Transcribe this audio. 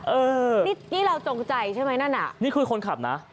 เออนี่เราจงใจใช่ไหมนั่นอ่ะนี่คือคนขับนะ